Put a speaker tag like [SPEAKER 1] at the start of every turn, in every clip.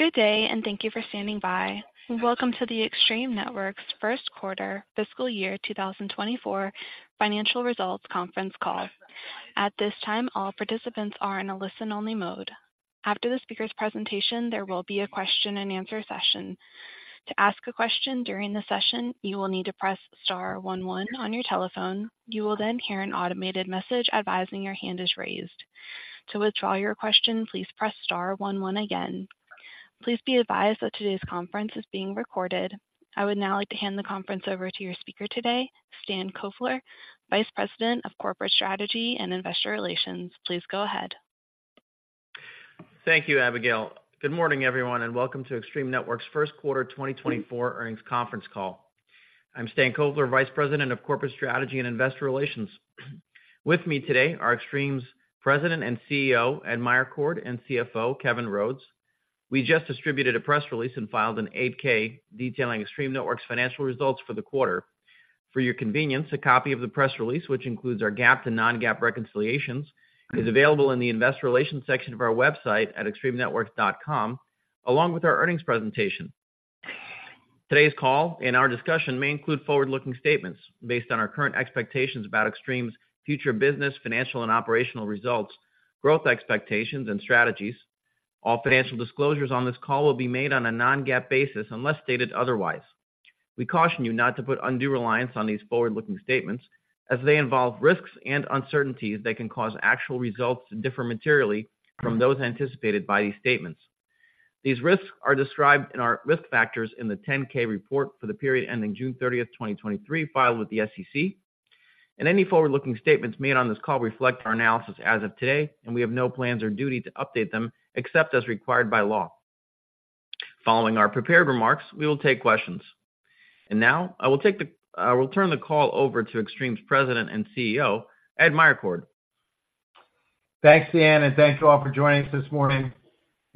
[SPEAKER 1] Good day, and thank you for standing by. Welcome to the Extreme Networks first quarter fiscal year 2024 financial results conference call. At this time, all participants are in a listen-only mode. After the speaker's presentation, there will be a question-and-answer session. To ask a question during the session, you will need to press star one one on your telephone. You will then hear an automated message advising your hand is raised. To withdraw your question, please press star one one again. Please be advised that today's conference is being recorded. I would now like to hand the conference over to your speaker today, Stan Kovler, Vice President of Corporate Strategy and Investor Relations. Please go ahead.
[SPEAKER 2] Thank you, Abigail. Good morning, everyone, and welcome to Extreme Networks' first quarter 2024 earnings conference call. I'm Stan Kovler, Vice President of Corporate Strategy and Investor Relations. With me today are Extreme's President and CEO, Ed Meyercord, and CFO, Kevin Rhodes. We just distributed a press release and filed an 8-K detailing Extreme Networks' financial results for the quarter. For your convenience, a copy of the press release, which includes our GAAP to non-GAAP reconciliations, is available in the investor relations section of our website at extremenetworks.com, along with our earnings presentation. Today's call and our discussion may include forward-looking statements based on our current expectations about Extreme's future business, financial, and operational results, growth expectations, and strategies. All financial disclosures on this call will be made on a non-GAAP basis, unless stated otherwise. We caution you not to put undue reliance on these forward-looking statements as they involve risks and uncertainties that can cause actual results to differ materially from those anticipated by these statements. These risks are described in our risk factors in the 10-K report for the period ending June 30, 2023, filed with the SEC, and any forward-looking statements made on this call reflect our analysis as of today, and we have no plans or duty to update them except as required by law. Following our prepared remarks, we will take questions. And now I will turn the call over to Extreme's President and CEO, Ed Meyercord.
[SPEAKER 3] Thanks, Stan, and thank you all for joining us this morning.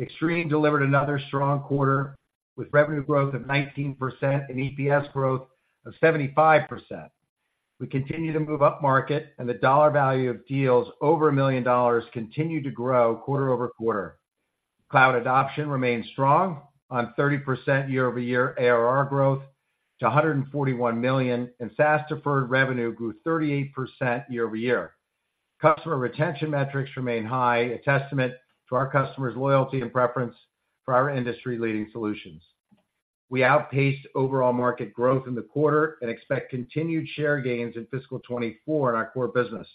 [SPEAKER 3] Extreme delivered another strong quarter, with revenue growth of 19% and EPS growth of 75%. We continue to move upmarket, and the dollar value of deals over $1 million continue to grow quarter-over-quarter. Cloud adoption remains strong on 30% year-over-year ARR growth to $141 million, and SaaS deferred revenue grew 38% year-over-year. Customer retention metrics remain high, a testament to our customers' loyalty and preference for our industry-leading solutions. We outpaced overall market growth in the quarter and expect continued share gains in fiscal 2024 in our core business.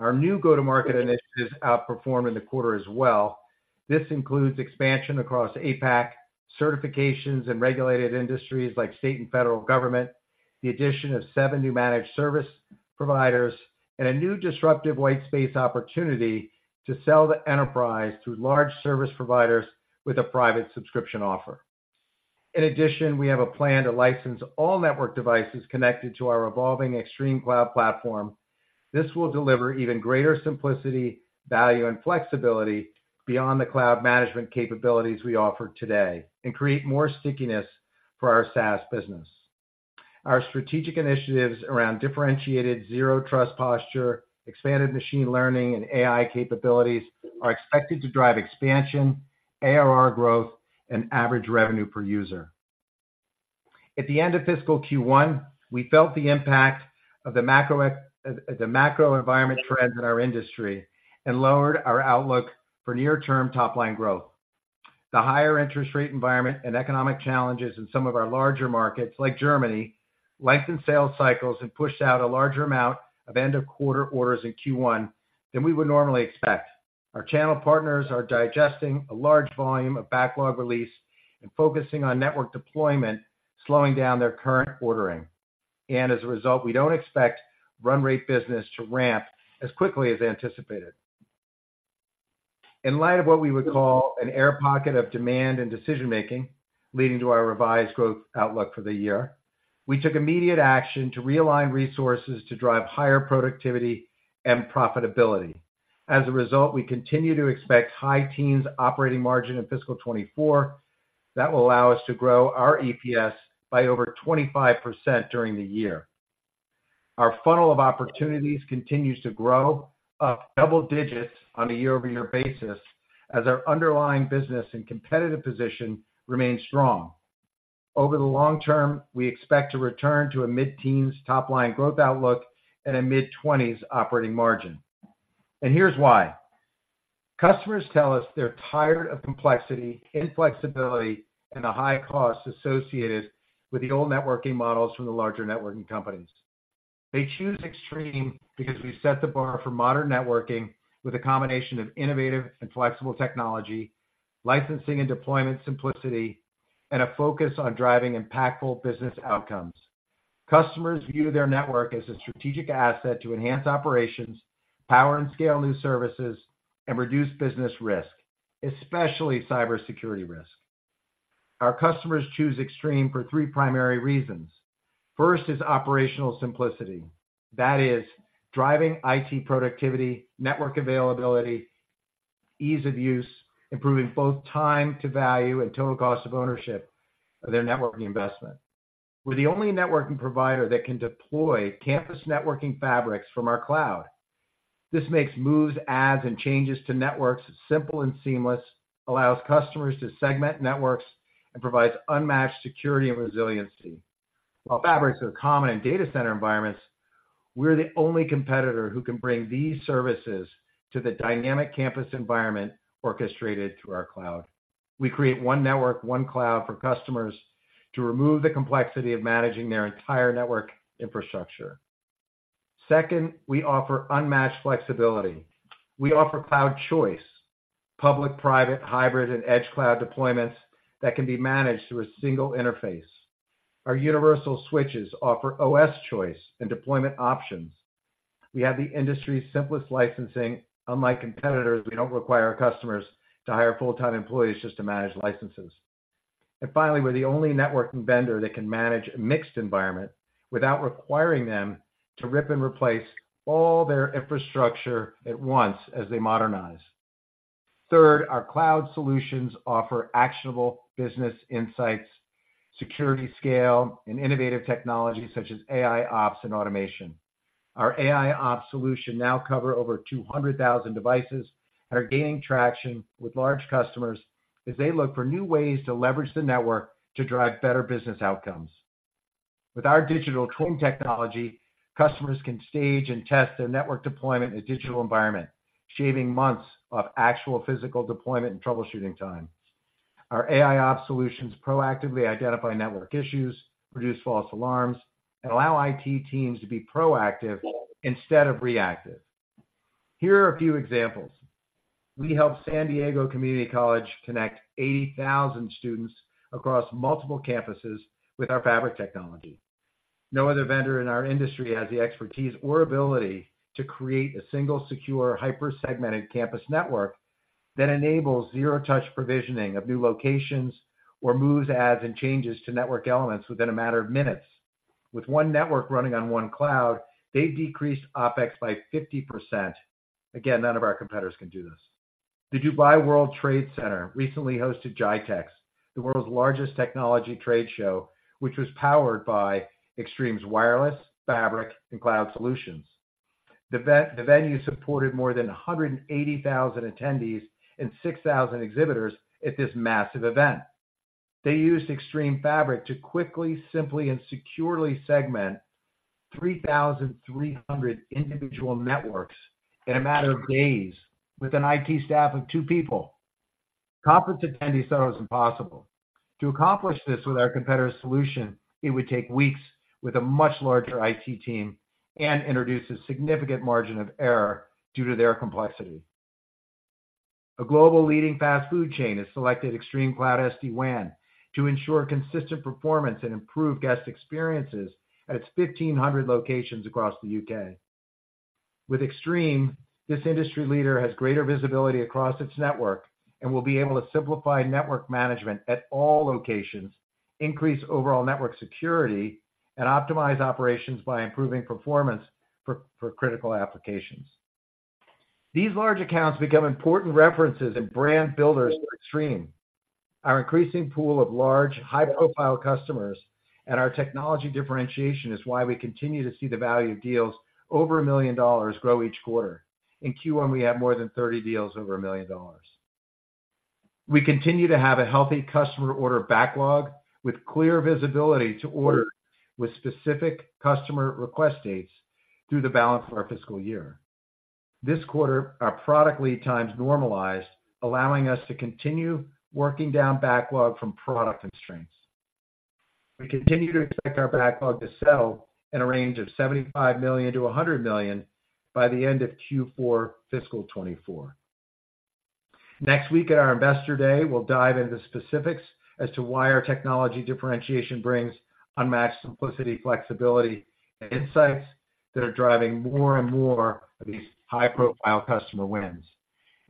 [SPEAKER 3] Our new go-to-market initiatives outperformed in the quarter as well. This includes expansion across APAC, certifications in regulated industries like state and Federal government, the addition of seven new managed service providers, and a new disruptive whitespace opportunity to sell the enterprise through large service providers with a private subscription offer. In addition, we have a plan to license all network devices connected to our evolving ExtremeCloud platform. This will deliver even greater simplicity, value, and flexibility beyond the cloud management capabilities we offer today and create more stickiness for our SaaS business. Our strategic initiatives around differentiated Zero Trust posture, expanded machine learning, and AI capabilities are expected to drive expansion, ARR growth, and average revenue per user. At the end of fiscal Q1, we felt the impact of the macro, the macro environment trends in our industry and lowered our outlook for near-term top-line growth. The higher interest rate environment and economic challenges in some of our larger markets, like Germany, lengthened sales cycles and pushed out a larger amount of end-of-quarter orders in Q1 than we would normally expect. Our channel partners are digesting a large volume of backlog release and focusing on network deployment, slowing down their current ordering. As a result, we don't expect run rate business to ramp as quickly as anticipated. In light of what we would call an air pocket of demand and decision-making, leading to our revised growth outlook for the year, we took immediate action to realign resources to drive higher productivity and profitability. As a result, we continue to expect high teens operating margin in fiscal 2024. That will allow us to grow our EPS by over 25% during the year. Our funnel of opportunities continues to grow up double digits on a year-over-year basis as our underlying business and competitive position remains strong. Over the long term, we expect to return to a mid-teens top-line growth outlook and a mid-twenties operating margin. And here's why: customers tell us they're tired of complexity, inflexibility, and the high costs associated with the old networking models from the larger networking companies. They choose Extreme because we set the bar for modern networking with a combination of innovative and flexible technology, licensing and deployment simplicity, and a focus on driving impactful business outcomes. Customers view their network as a strategic asset to enhance operations, power and scale new services, and reduce business risk, especially cybersecurity risk. Our customers choose Extreme for three primary reasons. First is operational simplicity. That is, driving IT productivity, network availability, ease of use, improving both time to value and total cost of ownership of their networking investment. We're the only networking provider that can deploy campus networking fabrics from our cloud. This makes moves, adds, and changes to networks simple and seamless, allows customers to segment networks, and provides unmatched security and resiliency. While fabrics are common in data center environments, we're the only competitor who can bring these services to the dynamic campus environment orchestrated through our cloud. We create one network, one cloud for customers to remove the complexity of managing their entire network infrastructure. Second, we offer unmatched flexibility. We offer cloud choice, public, private, hybrid, and edge cloud deployments that can be managed through a single interface. Our Universal Switches offer OS choice and deployment options. We have the industry's simplest licensing. Unlike competitors, we don't require our customers to hire full-time employees just to manage licenses. Finally, we're the only networking vendor that can manage a mixed environment without requiring them to rip and replace all their infrastructure at once as they modernize. Third, our cloud solutions offer actionable business insights, security scale, and innovative technologies such as AIOps and automation. Our AIOps solution now cover over 200,000 devices and are gaining traction with large customers as they look for new ways to leverage the network to drive better business outcomes. With our Digital Twin technology, customers can stage and test their network deployment in a digital environment, shaving months of actual physical deployment and troubleshooting time. Our AIOps solutions proactively identify network issues, reduce false alarms, and allow IT teams to be proactive instead of reactive. Here are a few examples. We helped San Diego Community College connect 80,000 students across multiple campuses with our fabric technology. No other vendor in our industry has the expertise or ability to create a single, secure, hyper-segmented campus network that enables zero-touch provisioning of new locations or moves, adds, and changes to network elements within a matter of minutes. With one network running on one cloud, they've decreased OpEx by 50%. Again, none of our competitors can do this. The Dubai World Trade Center recently hosted GITEX, the world's largest technology trade show, which was powered by Extreme's wireless, fabric, and cloud solutions. The venue supported more than 180,000 attendees and 6,000 exhibitors at this massive event. They used Extreme Fabric to quickly, simply, and securely segment 3,300 individual networks in a matter of days with an IT staff of two people. Conference attendees thought it was impossible. To accomplish this with our competitor's solution, it would take weeks with a much larger IT team and introduce a significant margin of error due to their complexity. A global leading fast food chain has selected ExtremeCloud SD-WAN to ensure consistent performance and improve guest experiences at its 1,500 locations across the U.K. With Extreme, this industry leader has greater visibility across its network and will be able to simplify network management at all locations, increase overall network security, and optimize operations by improving performance for critical applications. These large accounts become important references and brand builders for Extreme. Our increasing pool of large, high-profile customers and our technology differentiation is why we continue to see the value of deals over $1 million grow each quarter. In Q1, we had more than 30 deals over $1 million. We continue to have a healthy customer order backlog with clear visibility to order with specific customer request dates through the balance of our fiscal year. This quarter, our product lead times normalized, allowing us to continue working down backlog from product constraints. We continue to expect our backlog to sell in a range of $75-100 million by the end of Q4 fiscal 2024. Next week, at our Investor Day, we'll dive into specifics as to why our technology differentiation brings unmatched simplicity, flexibility, and insights that are driving more and more of these high-profile customer wins.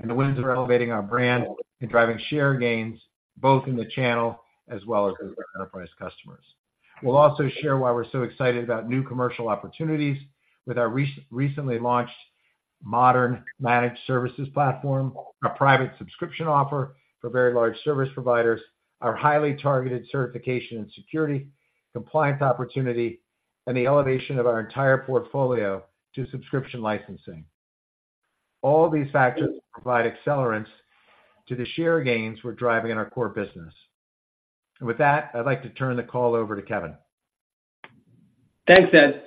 [SPEAKER 3] The wins are elevating our brand and driving share gains, both in the channel as well as with our enterprise customers. We'll also share why we're so excited about new commercial opportunities with our recently launched modern managed services platform, our private subscription offer for very large service providers, our highly targeted certification and security compliance opportunity, and the elevation of our entire portfolio to subscription licensing. All these factors provide accelerants to the share gains we're driving in our core business. With that, I'd like to turn the call over to Kevin.
[SPEAKER 4] Thanks, Ed.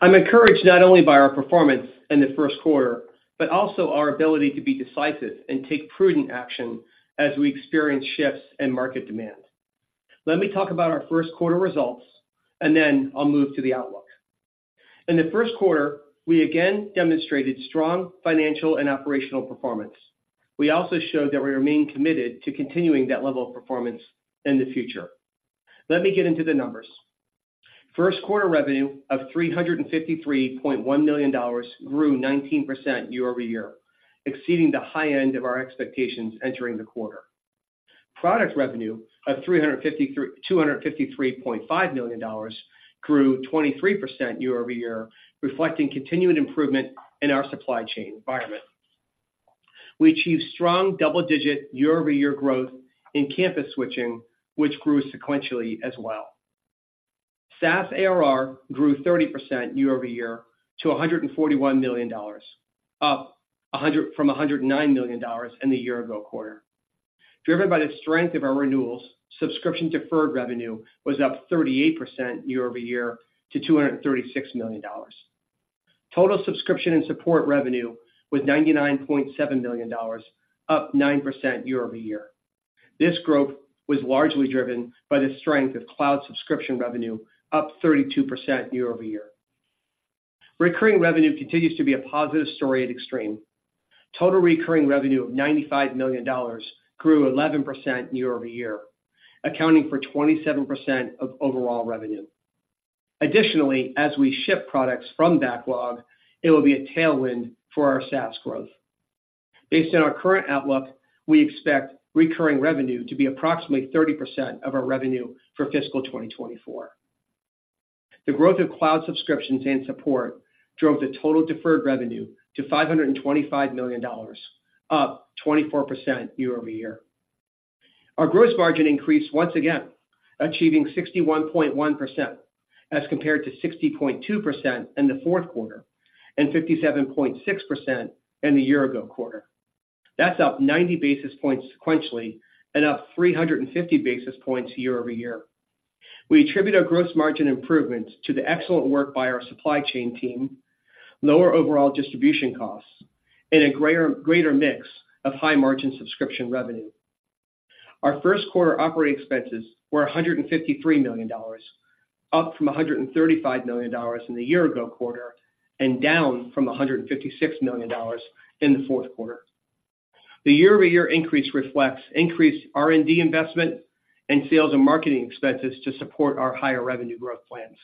[SPEAKER 4] I'm encouraged not only by our performance in the first quarter, but also our ability to be decisive and take prudent action as we experience shifts in market demand. Let me talk about our first quarter results, and then I'll move to the outlook. In the first quarter, we again demonstrated strong financial and operational performance. We also showed that we remain committed to continuing that level of performance in the future. Let me get into the numbers. First quarter revenue of $353.1 million grew 19% year-over-year, exceeding the high end of our expectations entering the quarter. Product revenue of $253.5 million grew 23% year-over-year, reflecting continued improvement in our supply chain environment.... We achieved strong double-digit year-over-year growth in campus switching, which grew sequentially as well. SaaS ARR grew 30% year-over-year to $141 million, up from $109 million in the year ago quarter. Driven by the strength of our renewals, subscription deferred revenue was up 38% year-over-year to $236 million. Total subscription and support revenue was $99.7 million, up 9% year-over-year. This growth was largely driven by the strength of cloud subscription revenue, up 32% year-over-year. Recurring revenue continues to be a positive story at Extreme. Total recurring revenue of $95 million grew 11% year-over-year, accounting for 27% of overall revenue. Additionally, as we ship products from backlog, it will be a tailwind for our SaaS growth. Based on our current outlook, we expect recurring revenue to be approximately 30% of our revenue for fiscal 2024. The growth of cloud subscriptions and support drove the total deferred revenue to $525 million, up 24% year-over-year. Our gross margin increased once again, achieving 61.1%, as compared to 60.2% in the fourth quarter, and 57.6% in the year ago quarter. That's up 90 basis points sequentially and up 350 basis points year-over-year. We attribute our gross margin improvements to the excellent work by our supply chain team, lower overall distribution costs, and a greater, greater mix of high margin subscription revenue. Our first quarter operating expenses were $153 million, up from $135 million in the year ago quarter, and down from $156 million in the fourth quarter. The year-over-year increase reflects increased R&D investment and sales and marketing expenses to support our higher revenue growth plans.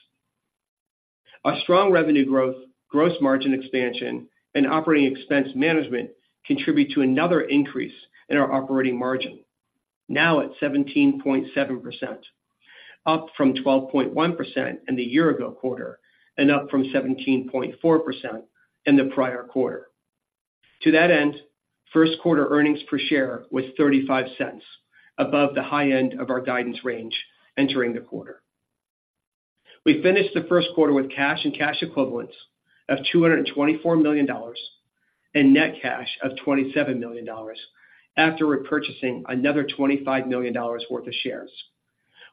[SPEAKER 4] Our strong revenue growth, gross margin expansion, and operating expense management contribute to another increase in our operating margin, now at 17.7%, up from 12.1% in the year ago quarter and up from 17.4% in the prior quarter. To that end, first quarter earnings per share was $0.35, above the high end of our guidance range entering the quarter. We finished the first quarter with cash and cash equivalents of $224 million, and net cash of $27 million, after repurchasing another $25 million worth of shares.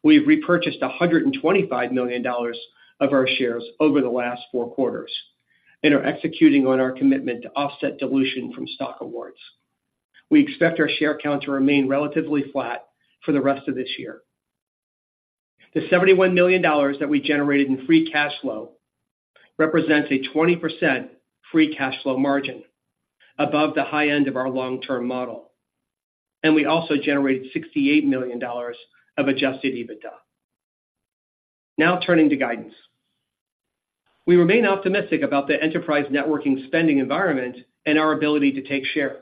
[SPEAKER 4] We've repurchased $125 million of our shares over the last four quarters and are executing on our commitment to offset dilution from stock awards. We expect our share count to remain relatively flat for the rest of this year. The $71 million that we generated in free cash flow represents a 20% free cash flow margin, above the high end of our long-term model, and we also generated $68 million of Adjusted EBITDA. Now, turning to guidance. We remain optimistic about the enterprise networking spending environment and our ability to take share.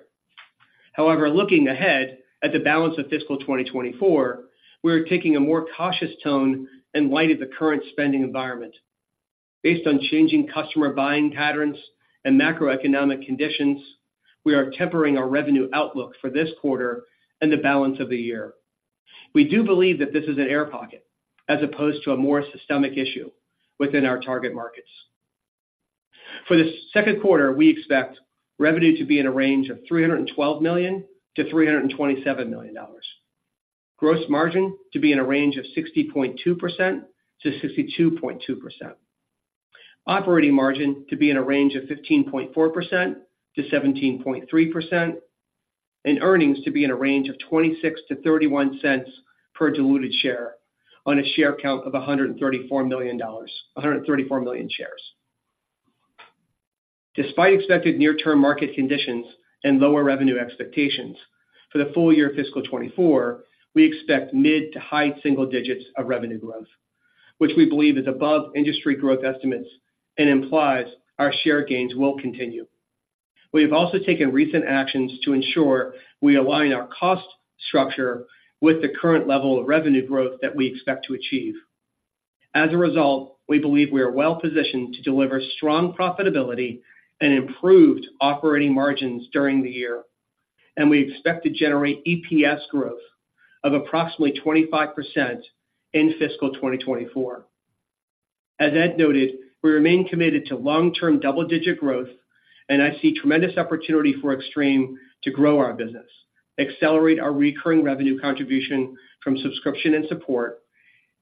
[SPEAKER 4] However, looking ahead at the balance of fiscal 2024, we are taking a more cautious tone in light of the current spending environment. Based on changing customer buying patterns and macroeconomic conditions, we are tempering our revenue outlook for this quarter and the balance of the year. We do believe that this is an air pocket as opposed to a more systemic issue within our target markets. For the second quarter, we expect revenue to be in a range of $312-327 million. Gross margin to be in a range of 60.2%-62.2%. Operating margin to be in a range of 15.4%-17.3%, and earnings to be in a range of $0.26-0.31 per diluted share on a share count of $134 million, 134 million shares. Despite expected near-term market conditions and lower revenue expectations, for the full year fiscal 2024, we expect mid to high single digits of revenue growth, which we believe is above industry growth estimates and implies our share gains will continue. We have also taken recent actions to ensure we align our cost structure with the current level of revenue growth that we expect to achieve. As a result, we believe we are well positioned to deliver strong profitability and improved operating margins during the year, and we expect to generate EPS growth of approximately 25% in fiscal 2024. As Ed noted, we remain committed to long-term double-digit growth, and I see tremendous opportunity for Extreme to grow our business, accelerate our recurring revenue contribution from subscription and support,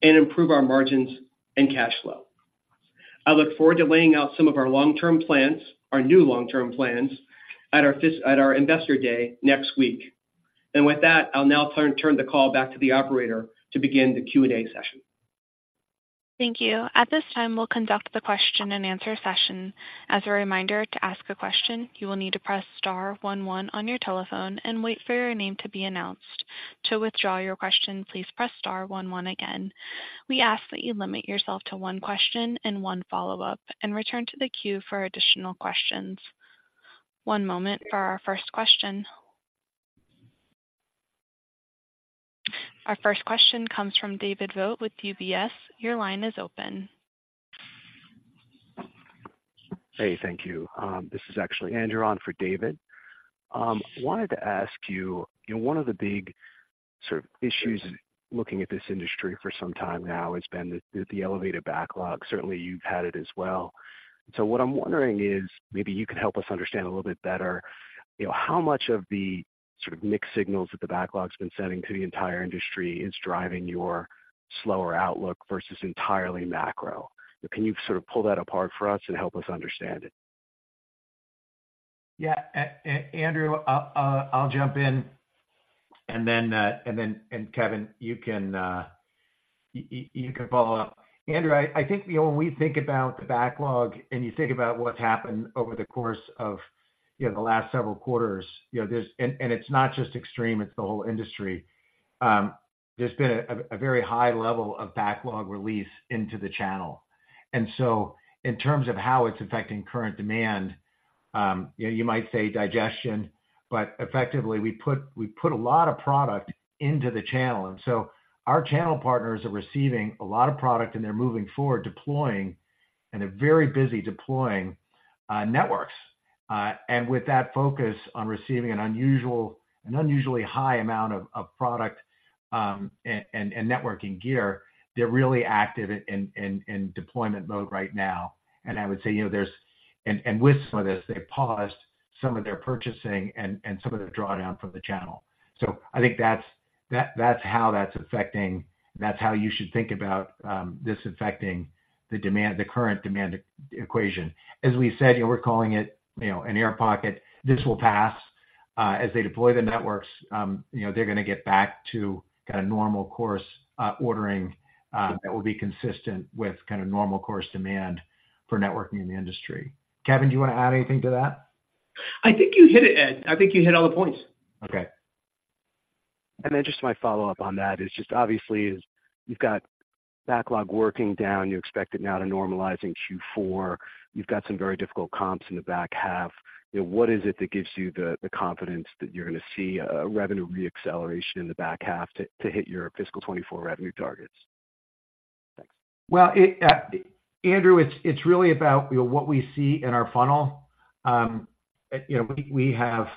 [SPEAKER 4] and improve our margins and cash flow. I look forward to laying out some of our long-term plans, our new long-term plans, at our Investor Day next week. With that, I'll now turn the call back to the operator to begin the Q&A session.
[SPEAKER 1] Thank you. At this time, we'll conduct the question and answer session. As a reminder, to ask a question, you will need to press star one one on your telephone and wait for your name to be announced. To withdraw your question, please press star one one again. We ask that you limit yourself to one question and one follow-up, and return to the queue for additional questions. One moment for our first question.... Our first question comes from David Vogt with UBS. Your line is open.
[SPEAKER 5] Hey, thank you. This is actually Andrew on for David. Wanted to ask you, you know, one of the big sort of issues looking at this industry for some time now has been the elevated backlog. Certainly, you've had it as well. So what I'm wondering is, maybe you can help us understand a little bit better, you know, how much of the sort of mixed signals that the backlog's been sending to the entire industry is driving your slower outlook versus entirely macro? Can you sort of pull that apart for us and help us understand it?
[SPEAKER 3] Yeah, Andrew, I'll jump in, and then, and Kevin, you can follow up. Andrew, I think, you know, when we think about the backlog and you think about what's happened over the course of, you know, the last several quarters, you know, there's-- and it's not just Extreme, it's the whole industry. There's been a very high level of backlog release into the channel. And so in terms of how it's affecting current demand, you know, you might say digestion, but effectively, we put a lot of product into the channel. And so our channel partners are receiving a lot of product, and they're moving forward, deploying, and they're very busy deploying networks. With that focus on receiving an unusually high amount of product and networking gear, they're really active in deployment mode right now. I would say, you know, with some of this, they paused some of their purchasing and some of their drawdown from the channel. So I think that's how you should think about this affecting the demand, the current demand equation. As we said, you know, we're calling it, you know, an air pocket. This will pass. As they deploy the networks, you know, they're gonna get back to kind of normal course ordering that will be consistent with kind of normal course demand for networking in the industry. Kevin, do you want to add anything to that?
[SPEAKER 4] I think you hit it, Ed. I think you hit all the points.
[SPEAKER 3] Okay.
[SPEAKER 5] And then just my follow-up on that is just obviously, is you've got backlog working down. You expect it now to normalize in Q4. You've got some very difficult comps in the back half. You know, what is it that gives you the, the confidence that you're gonna see a, a revenue reacceleration in the back half to, to hit your fiscal 2024 revenue targets? Thanks.
[SPEAKER 3] Well, Andrew, it's really about, you know, what we see in our funnel. You know, we have,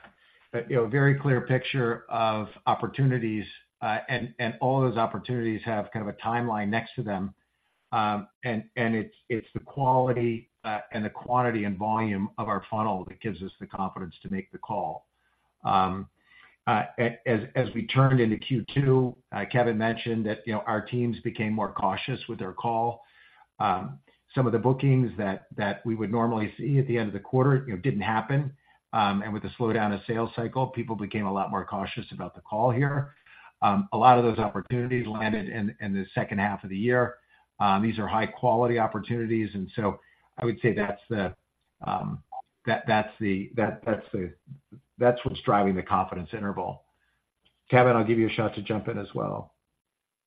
[SPEAKER 3] you know, a very clear picture of opportunities, and all those opportunities have kind of a timeline next to them. It's the quality, and the quantity and volume of our funnel that gives us the confidence to make the call. As we turned into Q2, Kevin mentioned that, you know, our teams became more cautious with their call. Some of the bookings that we would normally see at the end of the quarter, you know, didn't happen. With the slowdown of sales cycle, people became a lot more cautious about the call here. A lot of those opportunities landed in the second half of the year. These are high-quality opportunities, and so I would say that's what's driving the confidence interval. Kevin, I'll give you a shot to jump in as well.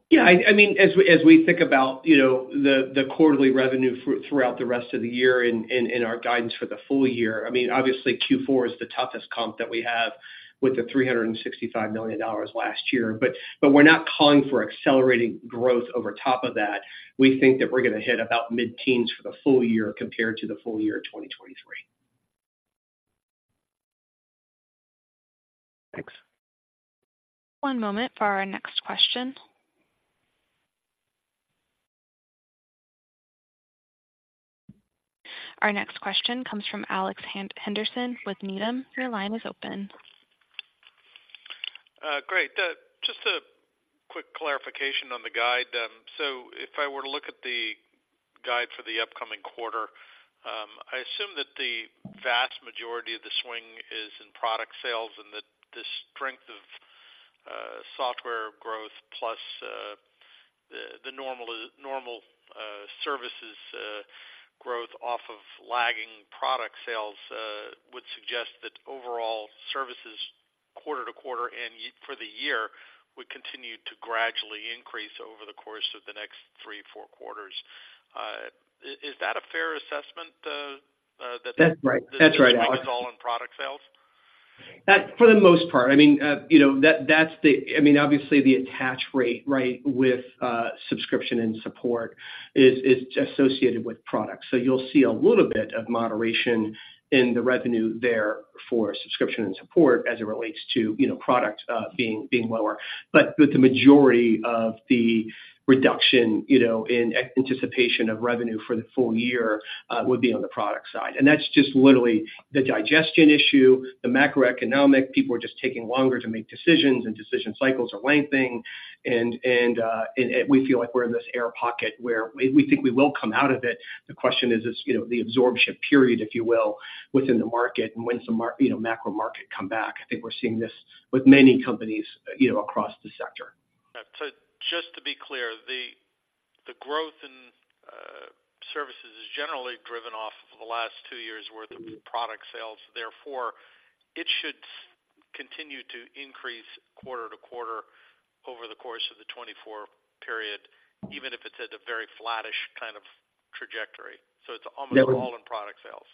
[SPEAKER 4] Yeah, I mean, as we think about, you know, the quarterly revenue throughout the rest of the year and our guidance for the full-year, I mean, obviously Q4 is the toughest comp that we have with the $365 million last year. But we're not calling for accelerating growth over top of that. We think that we're gonna hit about mid-teens for the full-year compared to the full year 2023.
[SPEAKER 5] Thanks.
[SPEAKER 1] One moment for our next question. Our next question comes from Alex Henderson with Needham. Your line is open.
[SPEAKER 6] Great. Just a quick clarification on the guide. So if I were to look at the guide for the upcoming quarter, I assume that the vast majority of the swing is in product sales, and that the strength of software growth plus the normal services growth off of lagging product sales would suggest that overall services quarter-to-quarter and for the year would continue to gradually increase over the course of the next three or four quarters. Is that a fair assessment, that-
[SPEAKER 3] That's right. That's right, Alex.
[SPEAKER 6] It's all in product sales?
[SPEAKER 3] That, for the most part, I mean, you know, that's the... I mean, obviously, the attach rate, right, with subscription and support is associated with products. So you'll see a little bit of moderation in the revenue there for subscription and support as it relates to, you know, product being lower. But with the majority of the reduction, you know, in anticipation of revenue for the full-year, would be on the product side. And that's just literally the digestion issue, the macroeconomic. People are just taking longer to make decisions, and decision cycles are lengthening. And we feel like we're in this air pocket where we think we will come out of it. The question is, you know, the absorption period, if you will, within the market and when some macro market come back. I think we're seeing this with many companies, you know, across the sector.
[SPEAKER 6] So just to be clear, the growth in services is generally driven off of the last two years' worth of product sales. Therefore, it should continue to increase quarter-to-quarter over the course of the 2024 period, even if it's at a very flattish kind of trajectory. So it's almost-
[SPEAKER 3] That would-
[SPEAKER 6] all in product sales.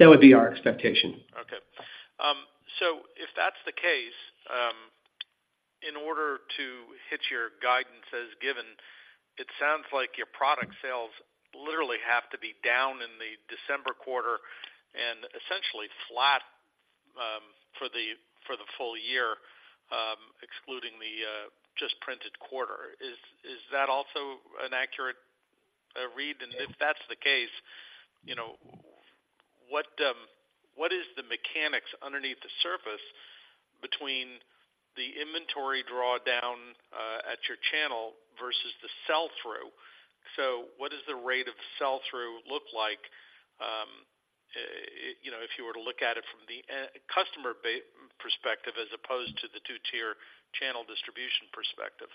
[SPEAKER 3] That would be our expectation....
[SPEAKER 6] So if that's the case, in order to hit your guidance as given, it sounds like your product sales literally have to be down in the December quarter and essentially flat, for the full-year, excluding the just printed quarter. Is that also an accurate read? And if that's the case, you know, what is the mechanics underneath the surface between the inventory drawdown at your channel versus the sell-through? So what does the rate of sell-through look like, you know, if you were to look at it from the end-customer base perspective as opposed to the two-tier channel distribution perspective?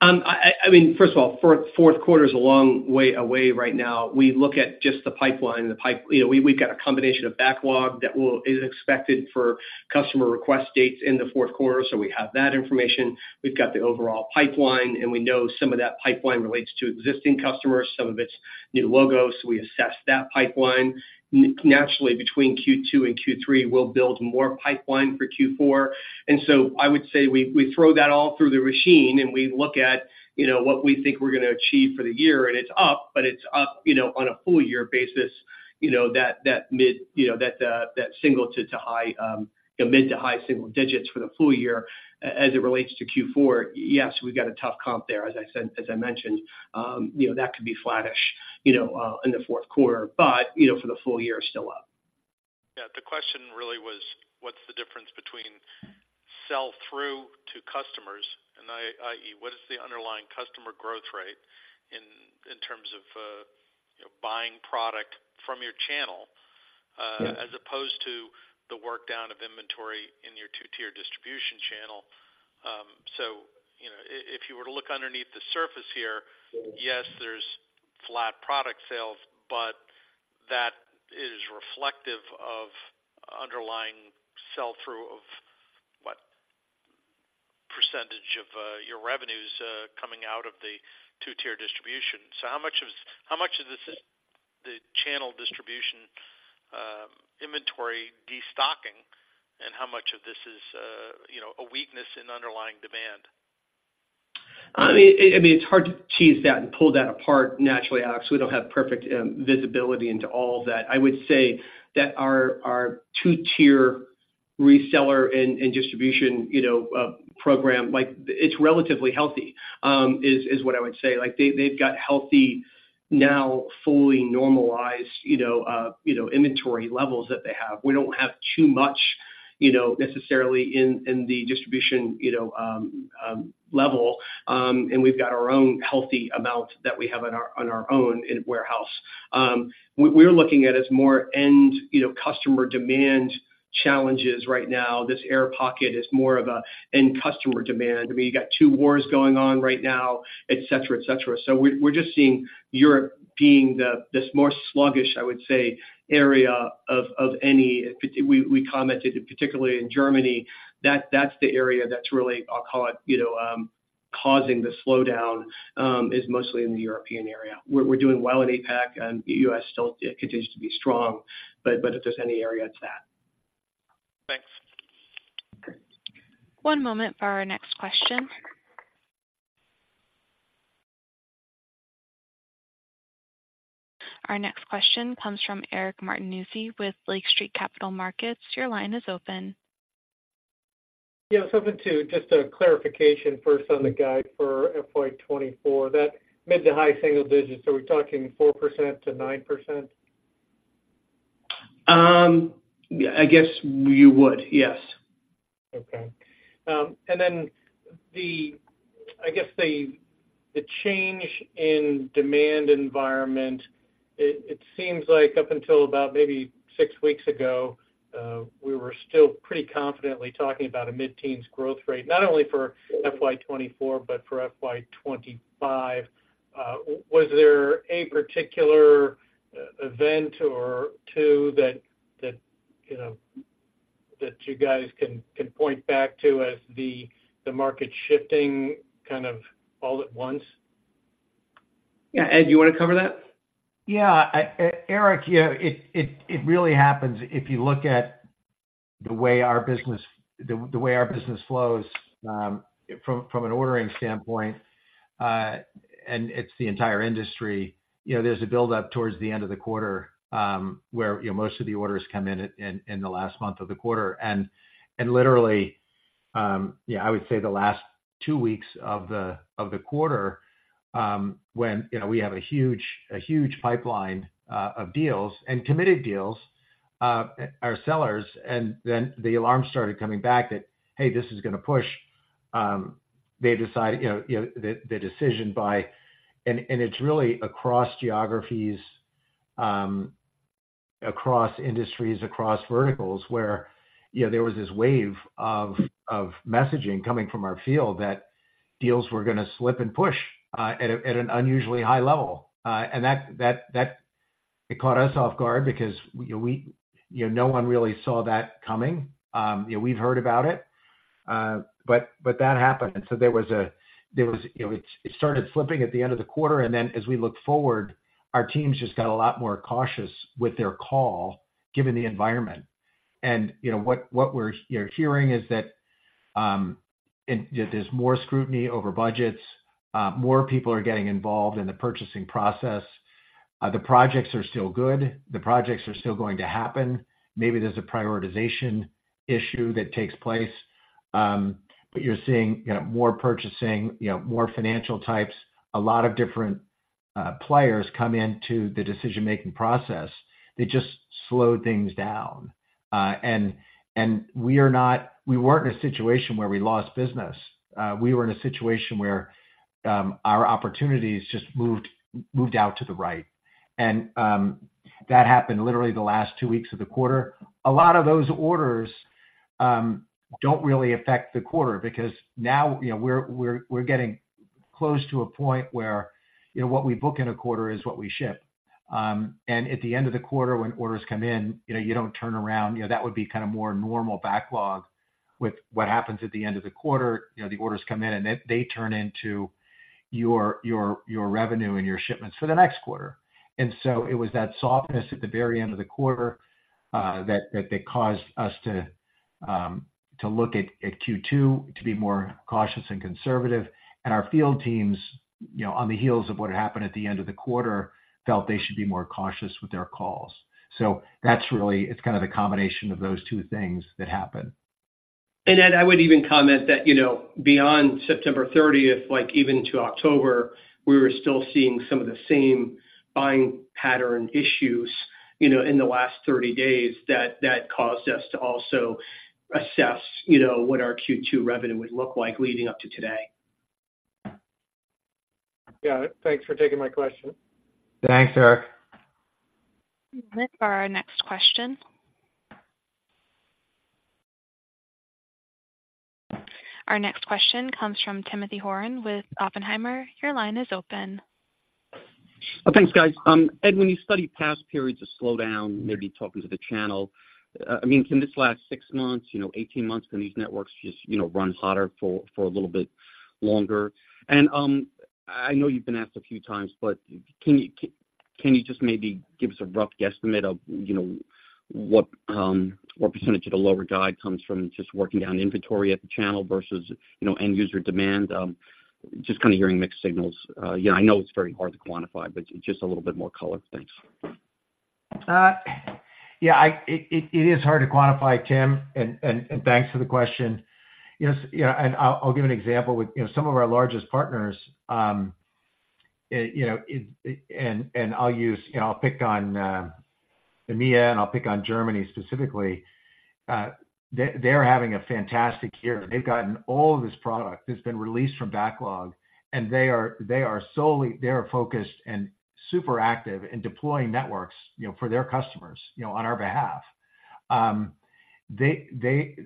[SPEAKER 3] I mean, first of all, fourth quarter is a long way away right now. We look at just the pipeline. You know, we've got a combination of backlog that is expected for customer request dates in the fourth quarter, so we have that information. We've got the overall pipeline, and we know some of that pipeline relates to existing customers, some of it's new logos, so we assess that pipeline. Naturally, between Q2 and Q3, we'll build more pipeline for Q4. I would say we throw that all through the machine, and we look at, you know, what we think we're gonna achieve for the year, and it's up, but it's up, you know, on a full year basis, you know, that mid, you know, that single to high, mid to high single digits for the full-year. As it relates to Q4, yes, we've got a tough comp there. As I said, as I mentioned, you know, that could be flattish, you know, in the fourth quarter, but, you know, for the full-year, still up.
[SPEAKER 6] Yeah, the question really was, what's the difference between sell-through to customers and i.e., what is the underlying customer growth rate in terms of, you know, buying product from your channel,
[SPEAKER 3] Yeah...
[SPEAKER 6] as opposed to the work down of inventory in your two-tier distribution channel. So, you know, if you were to look underneath the surface here, yes, there's flat product sales, but that is reflective of underlying sell-through of what percentage of your revenues coming out of the two-tier distribution. So how much is, how much of this is the channel distribution inventory destocking, and how much of this is, you know, a weakness in underlying demand?
[SPEAKER 3] I mean, I mean, it's hard to tease that and pull that apart naturally, Alex. We don't have perfect visibility into all of that. I would say that our two-tier reseller and distribution, you know, program, like, it's relatively healthy, is what I would say. Like, they've got healthy now fully normalized, you know, you know, inventory levels that they have. We don't have too much, you know, necessarily in the distribution, you know, level, and we've got our own healthy amount that we have on our own in warehouse. We're looking at as more end, you know, customer demand challenges right now. This air pocket is more of an end customer demand. I mean, you got two wars going on right now, et cetera, et cetera. So we're just seeing Europe being this more sluggish, I would say, area. We commented, particularly in Germany, that's the area that's really, I'll call it, you know, causing the slowdown is mostly in the European area. We're doing well in APAC, and the U.S. still continues to be strong. But if there's any area, it's that.
[SPEAKER 6] Thanks.
[SPEAKER 1] One moment for our next question. Our next question comes from Eric Martinuzzi with Lake Street Capital Markets. Your line is open.
[SPEAKER 7] Yeah, so to just a clarification first on the guide for FY 2024, that mid to high single digits, are we talking 4%-9%?
[SPEAKER 4] Yeah, I guess you would, yes.
[SPEAKER 7] Okay. And then I guess the change in demand environment. It seems like up until about maybe six weeks ago, we were still pretty confidently talking about a mid-teens growth rate, not only for FY 2024, but for FY 2025. Was there a particular event or two that you know that you guys can point back to as the market shifting kind of all at once?
[SPEAKER 4] Yeah, Ed, you wanna cover that?
[SPEAKER 3] Yeah, Eric, yeah, it really happens if you look at the way our business flows, from an ordering standpoint, and it's the entire industry. You know, there's a buildup towards the end of the quarter, where, you know, most of the orders come in at the last month of the quarter. And literally, yeah, I would say the last two weeks of the quarter, when, you know, we have a huge pipeline of deals and committed deals, our sellers, and then the alarm started coming back that, "Hey, this is gonna push," they decide, you know, the decision by... It's really across geographies, across industries, across verticals, where, you know, there was this wave of messaging coming from our field that deals were gonna slip and push at an unusually high level. It caught us off guard because, you know, we, you know, no one really saw that coming. You know, we've heard about it, but that happened. It started slipping at the end of the quarter, and then as we look forward, our teams just got a lot more cautious with their call, given the environment. You know, what you're hearing is that, and that there's more scrutiny over budgets, more people are getting involved in the purchasing process. The projects are still good. The projects are still going to happen. Maybe there's a prioritization issue that takes place, but you're seeing, you know, more purchasing, you know, more financial types. A lot of different players come into the decision-making process. They just slowed things down. And we are not, we weren't in a situation where we lost business. We were in a situation where our opportunities just moved out to the right. And that happened literally the last two weeks of the quarter. A lot of those orders don't really affect the quarter, because now, you know, we're getting close to a point where, you know, what we book in a quarter is what we ship. And at the end of the quarter, when orders come in, you know, you don't turn around, you know, that would be kind of more normal backlog with what happens at the end of the quarter. You know, the orders come in, and they turn into your revenue and your shipments for the next quarter. And so it was that softness at the very end of the quarter that caused us to look at Q2 to be more cautious and conservative. And our field teams, you know, on the heels of what happened at the end of the quarter, felt they should be more cautious with their calls. So that's really, it's kind of the combination of those two things that happened.
[SPEAKER 4] Ed, I would even comment that, you know, beyond September thirtieth, like even into October, we were still seeing some of the same buying pattern issues, you know, in the last 30 days, that caused us to also assess, you know, what our Q2 revenue would look like leading up to today.
[SPEAKER 7] Yeah. Thanks for taking my question.
[SPEAKER 3] Thanks, Eric.
[SPEAKER 1] Wait for our next question. Our next question comes from Timothy Horan with Oppenheimer. Your line is open.
[SPEAKER 8] Thanks, guys. Ed, when you study past periods of slowdown, maybe talking to the channel, I mean, can this last 6 months, you know, 18 months? Can these networks just, you know, run hotter for, for a little bit longer? I know you've been asked a few times, but can you just maybe give us a rough guesstimate of, you know, what, what percentage of the lower guide comes from just working down inventory at the channel versus, you know, end user demand? Just kind of hearing mixed signals. You know, I know it's very hard to quantify, but just a little bit more color. Thanks.
[SPEAKER 3] Yeah, it is hard to quantify, Tim, and thanks for the question. Yes, you know, and I'll give an example with, you know, some of our largest partners, you know, I'll use, you know, I'll pick on EMEA, and I'll pick on Germany specifically. They're having a fantastic year. They've gotten all of this product that's been released from backlog, and they are solely focused and super active in deploying networks, you know, for their customers, you know, on our behalf. They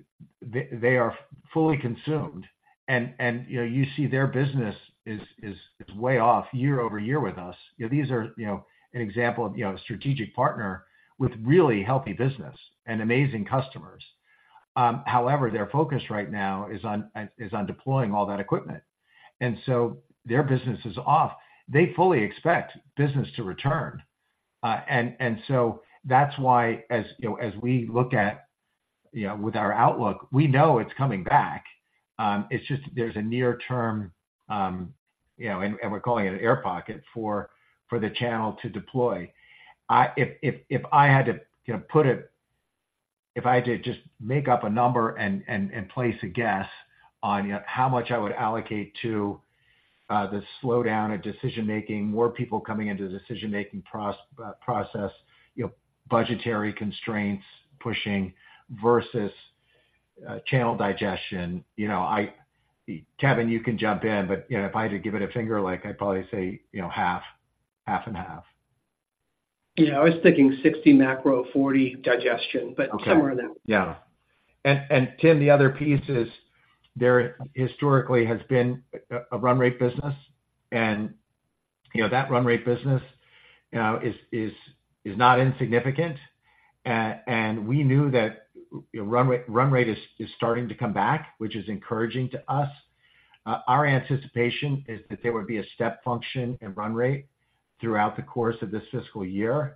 [SPEAKER 3] are fully consumed and, you know, you see their business is way off year-over-year with us. You know, these are, you know, an example of, you know, a strategic partner with really healthy business and amazing customers. However, their focus right now is on deploying all that equipment, and so their business is off. They fully expect business to return. And so that's why, as you know, as we look at, you know, with our outlook, we know it's coming back. It's just there's a near term, you know, and we're calling it an air pocket for the channel to deploy. If I had to, you know, put a... If I had to just make up a number and place a guess on, you know, how much I would allocate to the slowdown of decision-making, more people coming into the decision-making process, you know, budgetary constraints, pushing versus channel digestion, you know, I, Kevin, you can jump in, but, you know, if I had to give it a finger, like I'd probably say, you know, half, half and half.
[SPEAKER 4] Yeah, I was thinking 60 macro, 40 digestion, but-
[SPEAKER 3] Okay.
[SPEAKER 4] somewhere in there.
[SPEAKER 3] Yeah. And Tim, the other piece is, there historically has been a run rate business, and you know, that run rate business you know is not insignificant. And we knew that run rate is starting to come back, which is encouraging to us. Our anticipation is that there would be a step function in run rate throughout the course of this fiscal year.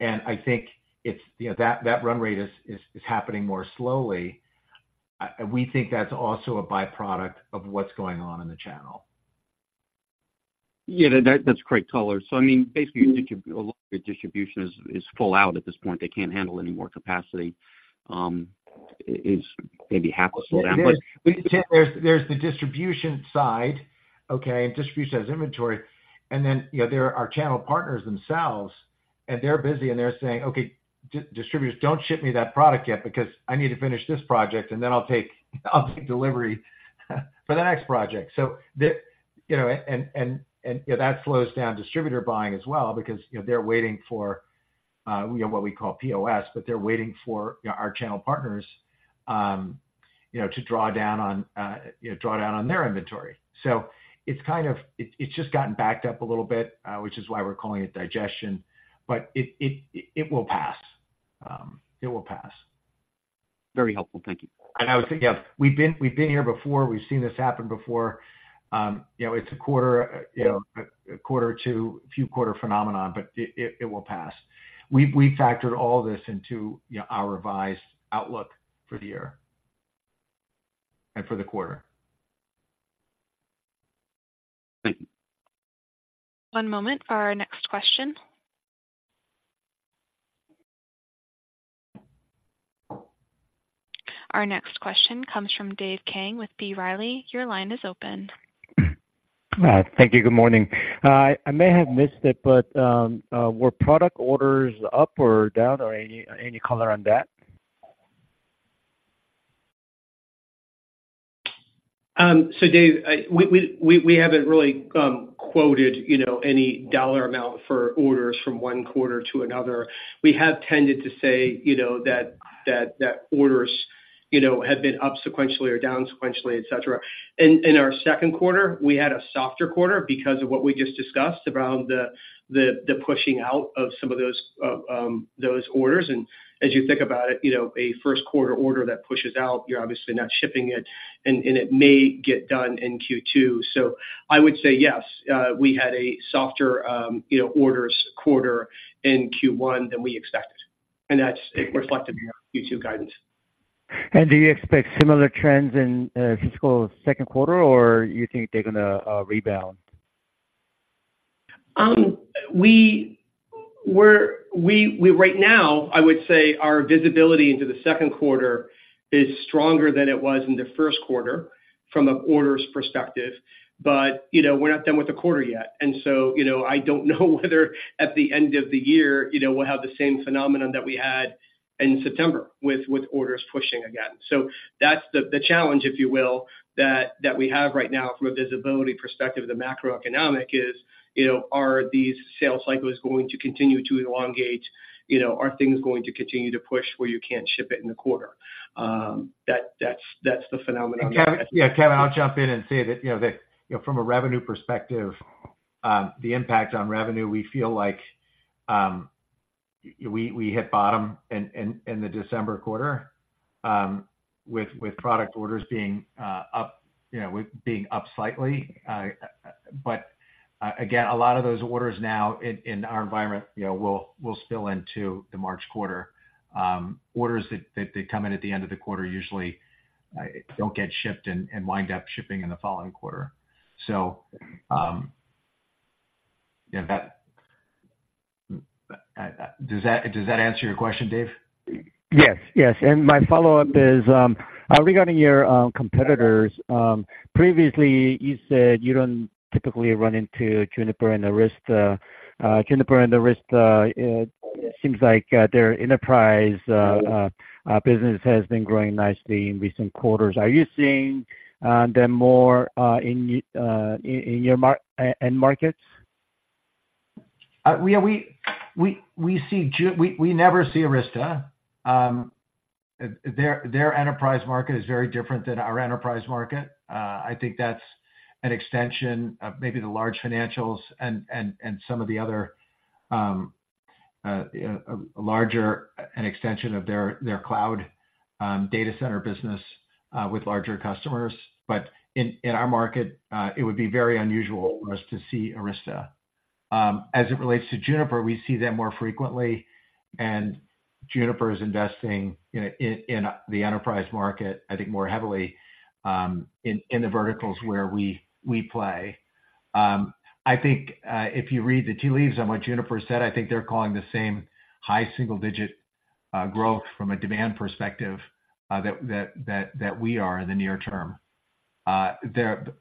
[SPEAKER 3] And I think it's you know that run rate is happening more slowly. And we think that's also a by-product of what's going on in the channel.
[SPEAKER 8] Yeah, that's great color. So I mean, basically, you think a lot of the distribution is full out at this point. They can't handle any more capacity, is maybe half of slowdown, but-
[SPEAKER 3] But Tim, there's the distribution side, okay? And distribution has inventory, and then, you know, there are our channel partners themselves, and they're busy, and they're saying, "Okay, distributors, don't ship me that product yet because I need to finish this project, and then I'll take, I'll take delivery for the next project." So, you know, that slows down distributor buying as well because, you know, they're waiting for, you know, what we call POS, but they're waiting for, you know, our channel partners, you know, to draw down on, you know, draw down on their inventory. So it's kind of, it's just gotten backed up a little bit, which is why we're calling it digestion, but it will pass. It will pass.
[SPEAKER 8] Very helpful. Thank you.
[SPEAKER 3] I would think, yeah, we've been here before, we've seen this happen before. You know, it's a quarter to a few quarter phenomenon, but it will pass. We've factored all this into, you know, our revised outlook for the year and for the quarter.
[SPEAKER 8] Thank you.
[SPEAKER 1] One moment for our next question. Our next question comes from Dave Kang with B. Riley. Your line is open.
[SPEAKER 9] Thank you. Good morning. I may have missed it, but were product orders up or down, or any color on that?
[SPEAKER 3] So Dave, I, we haven't really quoted, you know, any dollar amount for orders from one quarter to another. We have tended to say, you know, that orders, you know, have been up sequentially or down sequentially, et cetera. In our second quarter, we had a softer quarter because of what we just discussed around the pushing out of some of those orders. And as you think about it, you know, a first quarter order that pushes out, you're obviously not shipping it, and it may get done in Q2. So I would say, yes, we had a softer, you know, orders quarter in Q1 than we expected, and that's reflected in our Q2 guidance.
[SPEAKER 9] Do you expect similar trends in fiscal second quarter, or you think they're gonna rebound?
[SPEAKER 3] We right now, I would say our visibility into the second quarter is stronger than it was in the first quarter from an orders perspective, but, you know, we're not done with the quarter yet. And so, you know, I don't know whether at the end of the year, you know, we'll have the same phenomenon that we had in September with orders pushing again. So that's the challenge, if you will, that we have right now from a visibility perspective of the macroeconomic is, you know, are these sales cycles going to continue to elongate? You know, are things going to continue to push where you can't ship it in a quarter? That's the phenomenon-
[SPEAKER 4] Kevin, yeah, Kevin, I'll jump in and say that, you know, from a revenue perspective, the impact on revenue, we feel like we hit bottom in the December quarter, with product orders being up, you know, with being up slightly. But again, a lot of those orders now in our environment, you know, will spill into the March quarter. Orders that come in at the end of the quarter usually don't get shipped and wind up shipping in the following quarter. So, yeah. Does that answer your question, Dave?
[SPEAKER 9] Yes, yes. My follow-up is regarding your competitors. Previously, you said you don't typically run into Juniper and Arista. Juniper and Arista, it seems like their enterprise business has been growing nicely in recent quarters. Are you seeing them more in your end markets?
[SPEAKER 3] We never see Arista. Their enterprise market is very different than our enterprise market. I think that's an extension of maybe the large financials and some of the other, an extension of their cloud data center business with larger customers. But in our market, it would be very unusual for us to see Arista. As it relates to Juniper, we see them more frequently, and Juniper is investing in the enterprise market, I think, more heavily in the verticals where we play. I think if you read the tea leaves on what Juniper said, I think they're calling the same high single-digit growth from a demand perspective that we are in the near term.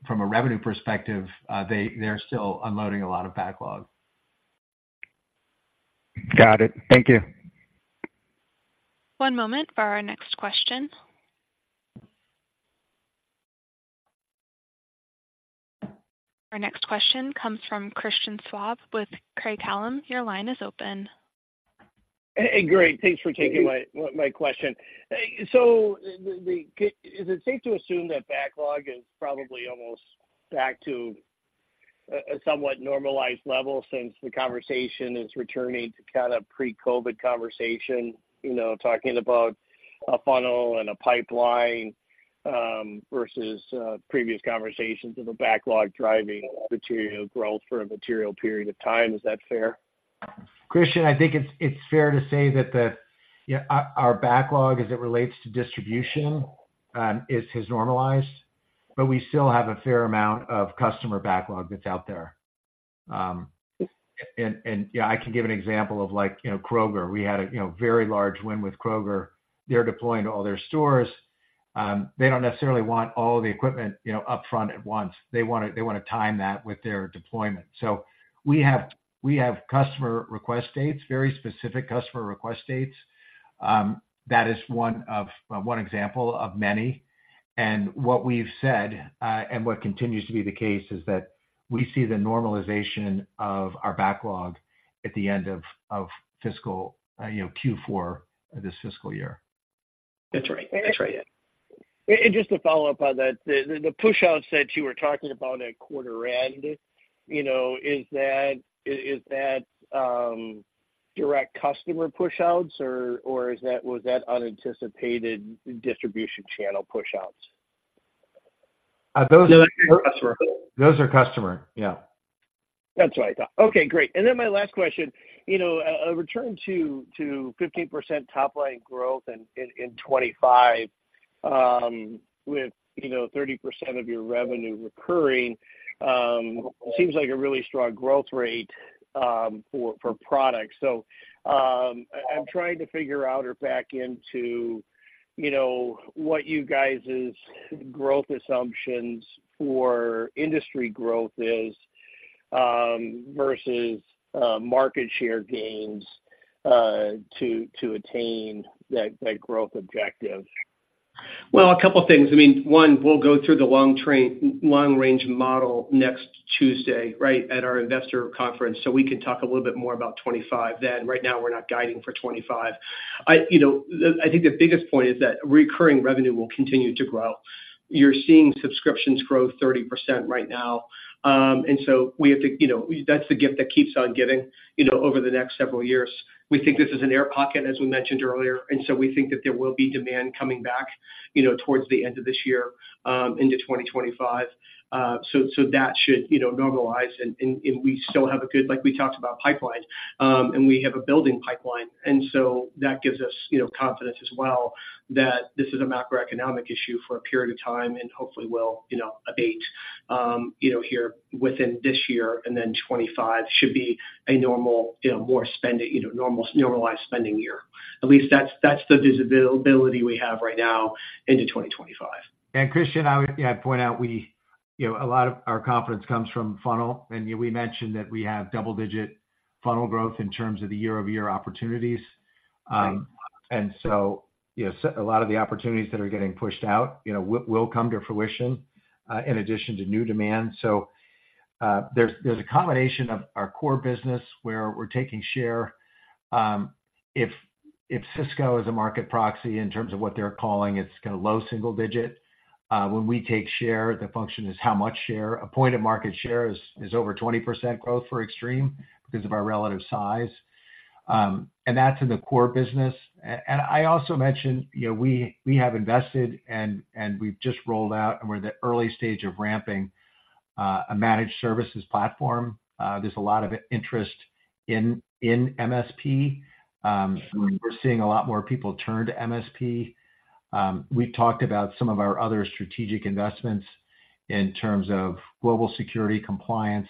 [SPEAKER 3] From a revenue perspective, they're still unloading a lot of backlog.
[SPEAKER 9] Got it. Thank you.
[SPEAKER 1] One moment for our next question. Our next question comes from Christian Schwab with Craig-Hallum. Your line is open.
[SPEAKER 10] Hey, great. Thanks for taking my question. So, is it safe to assume that backlog is probably almost back to a somewhat normalized level since the conversation is returning to kind of pre-COVID conversation? You know, talking about a funnel and a pipeline versus previous conversations of a backlog driving material growth for a material period of time. Is that fair?
[SPEAKER 3] Christian, I think it's fair to say that yeah, our backlog as it relates to distribution has normalized, but we still have a fair amount of customer backlog that's out there. And yeah, I can give an example of, like, you know, Kroger, we had a, you know, very large win with Kroger. They're deploying to all their stores. They don't necessarily want all the equipment, you know, upfront at once. They wanna time that with their deployment. So we have customer request dates, very specific customer request dates. That is one example of many. And what we've said, and what continues to be the case, is that we see the normalization of our backlog at the end of fiscal, you know, Q4 of this fiscal year. That's right. That's right, yeah.
[SPEAKER 10] Just to follow up on that, the pushouts that you were talking about at quarter end, you know, is that direct customer pushouts or was that unanticipated distribution channel pushouts?
[SPEAKER 3] Those are-
[SPEAKER 10] Customer.
[SPEAKER 3] Those are customer, yeah.
[SPEAKER 10] That's what I thought. Okay, great. And then my last question: You know, a return to 15% top-line growth in 2025, with, you know, 30% of your revenue recurring, seems like a really strong growth rate for product. So, I'm trying to figure out or back into, you know, what you guys's growth assumptions for industry growth is, versus market share gains, to attain that growth objective.
[SPEAKER 4] Well, a couple things. I mean, one, we'll go through the long-range model next Tuesday, right, at our investor conference, so we can talk a little bit more about 2025 then. Right now, we're not guiding for 2025. I, you know, I think the biggest point is that recurring revenue will continue to grow. You're seeing subscriptions grow 30% right now. And so we have to, you know, that's the gift that keeps on giving, you know, over the next several years. We think this is an air pocket, as we mentioned earlier, and so we think that there will be demand coming back, you know, towards the end of this year, into 2025. So that should, you know, normalize, and we still have a good, like we talked about, pipeline. We have a building pipeline, and so that gives us, you know, confidence as well, that this is a macroeconomic issue for a period of time and hopefully will, you know, abate, you know, here within this year. Then 2025 should be a normal, you know, more spending, you know, normalized spending year. At least that's the visibility we have right now into 2025.
[SPEAKER 3] And Christian, I would, yeah, point out we, you know, a lot of our confidence comes from funnel, and we mentioned that we have double-digit funnel growth in terms of the year-over-year opportunities.
[SPEAKER 10] Right.
[SPEAKER 3] And so, you know, a lot of the opportunities that are getting pushed out, you know, will come to fruition, in addition to new demand. So, there's a combination of our core business, where we're taking share. If Cisco is a market proxy in terms of what they're calling, it's kind of low single-digit. When we take share, the function is how much share. A point of market share is over 20% growth for Extreme because of our relative size, and that's in the core business. And I also mentioned, you know, we have invested, and we've just rolled out, and we're in the early stage of ramping, a managed services platform. There's a lot of interest in MSP. We're seeing a lot more people turn to MSP. We've talked about some of our other strategic investments in terms of global security compliance,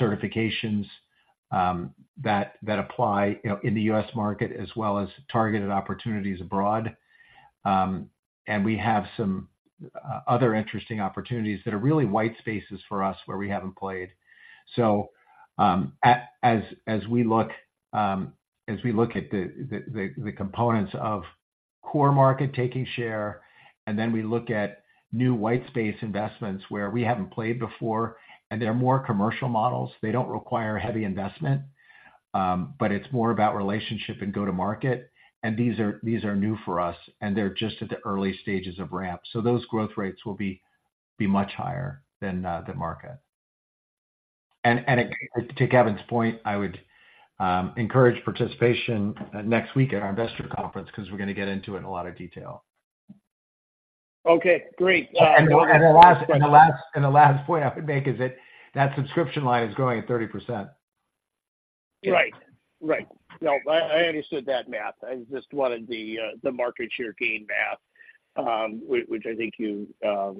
[SPEAKER 3] certifications, that apply, you know, in the US market, as well as targeted opportunities abroad. And we have some other interesting opportunities that are really white spaces for us, where we haven't played. So, as we look at the components of core market taking share, and then we look at new white space investments where we haven't played before, and they're more commercial models. They don't require heavy investment, but it's more about relationship and go-to-market, and these are new for us, and they're just at the early stages of ramp. So those growth rates will be much higher than the market. To Kevin's point, I would encourage participation next week at our investor conference, 'cause we're gonna get into it in a lot of detail.
[SPEAKER 10] Okay, great.
[SPEAKER 3] And the last point I would make is that subscription line is growing at 30%.
[SPEAKER 10] Right. Right. No, I, I understood that math. I just wanted the, the market share gain math, which, which I think you, I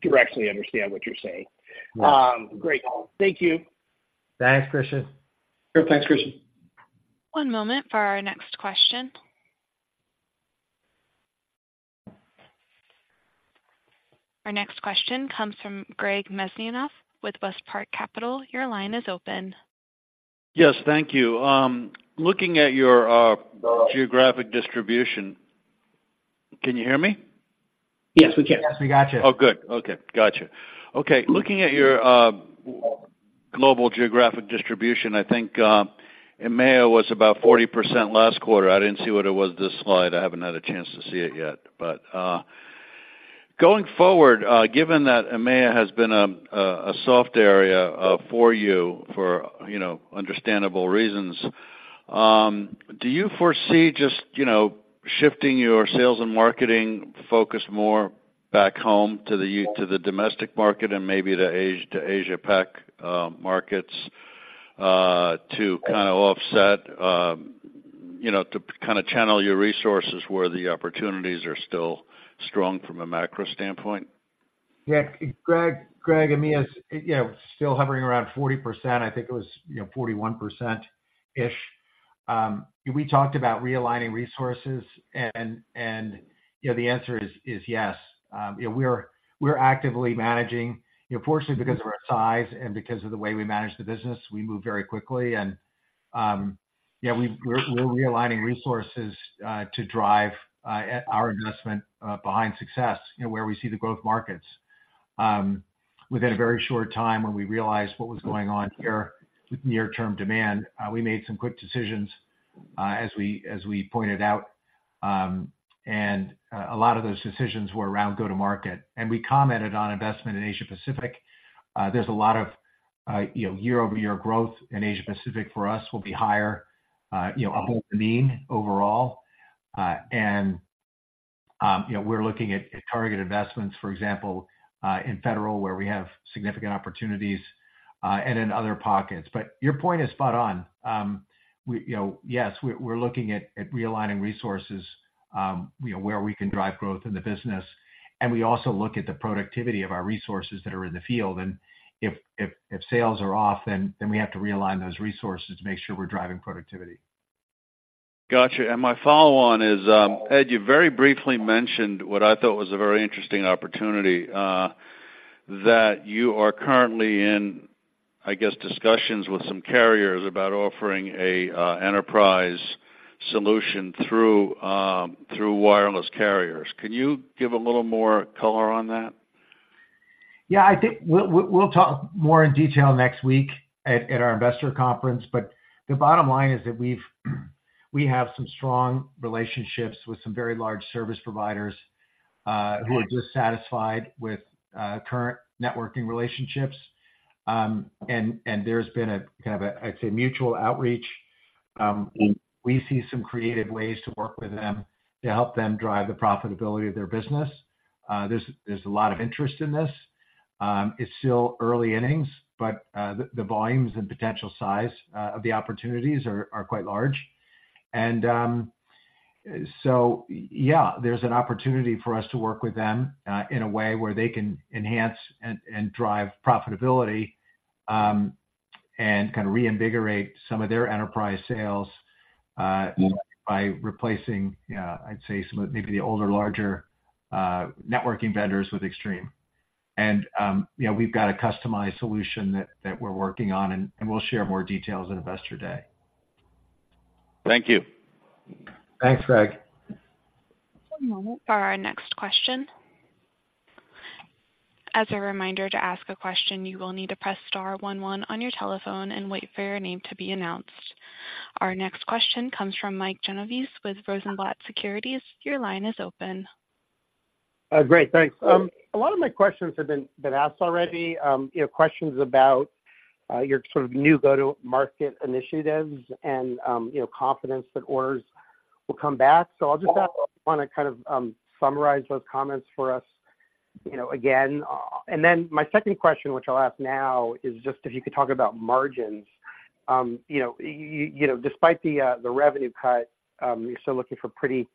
[SPEAKER 10] directly understand what you're saying.
[SPEAKER 3] Right.
[SPEAKER 10] Great. Thank you.
[SPEAKER 3] Thanks, Christian.
[SPEAKER 4] Sure. Thanks, Christian.
[SPEAKER 1] One moment for our next question. Our next question comes from Greg Mesniaeff with WestPark Capital. Your line is open.
[SPEAKER 11] Yes, thank you. Looking at your geographic distribution... Can you hear me?
[SPEAKER 3] Yes, we can.
[SPEAKER 4] Yes, we got you.
[SPEAKER 11] Oh, good. Okay. Gotcha. Okay. Looking at your global geographic distribution, I think EMEA was about 40% last quarter. I didn't see what it was this slide. I haven't had a chance to see it yet. But going forward, given that EMEA has been a soft area for you for, you know, understandable reasons, do you foresee just, you know, shifting your sales and marketing focus more back home to the domestic market and maybe to Asia-Pac markets, to kind of offset, you know, to kind of channel your resources where the opportunities are still strong from a macro standpoint?
[SPEAKER 3] Yeah, Greg, Greg, EMEA's, you know, still hovering around 40%. I think it was, you know, 41%ish. We talked about realigning resources and, you know, the answer is yes. You know, we're actively managing. You know, fortunately, because of our size and because of the way we manage the business, we move very quickly. And, yeah, we're realigning resources to drive our investment behind success, you know, where we see the growth markets.... Within a very short time when we realized what was going on here with near-term demand, we made some quick decisions, as we pointed out, and a lot of those decisions were around go-to-market. And we commented on investment in Asia Pacific. There's a lot of, you know, year-over-year growth, and Asia Pacific for us will be higher, you know, above the mean overall. And, you know, we're looking at target investments, for example, in Federal, where we have significant opportunities, and in other pockets. But your point is spot on. You know, yes, we're looking at realigning resources, you know, where we can drive growth in the business, and we also look at the productivity of our resources that are in the field. And if sales are off, then we have to realign those resources to make sure we're driving productivity.
[SPEAKER 11] Got you. And my follow-on is, Ed, you very briefly mentioned what I thought was a very interesting opportunity, that you are currently in, I guess, discussions with some carriers about offering a enterprise solution through wireless carriers. Can you give a little more color on that?
[SPEAKER 3] Yeah, I think we'll talk more in detail next week at our investor conference. But the bottom line is that we have some strong relationships with some very large service providers.
[SPEAKER 11] Right...
[SPEAKER 3] who are dissatisfied with current networking relationships. And there's been a kind of a, I'd say, mutual outreach. We see some creative ways to work with them to help them drive the profitability of their business. There's a lot of interest in this. It's still early innings, but the volumes and potential size of the opportunities are quite large. And so yeah, there's an opportunity for us to work with them in a way where they can enhance and drive profitability and kind of reinvigorate some of their enterprise sales by replacing, I'd say some of maybe the older, larger networking vendors with Extreme. And you know, we've got a customized solution that we're working on, and we'll share more details at Investor Day.
[SPEAKER 11] Thank you.
[SPEAKER 3] Thanks, Greg.
[SPEAKER 1] One moment for our next question. As a reminder, to ask a question, you will need to press star one one on your telephone and wait for your name to be announced. Our next question comes from Mike Genovese with Rosenblatt Securities. Your line is open.
[SPEAKER 12] Great, thanks. A lot of my questions have been asked already, you know, questions about your sort of new go-to-market initiatives and, you know, confidence that orders will come back. So I'll just want to kind of summarize those comments for us, you know, again. And then my second question, which I'll ask now, is just if you could talk about margins. You know, despite the revenue cut, you're still looking for pretty